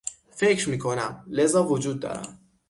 فکر میکنم، لذا وجود دارم.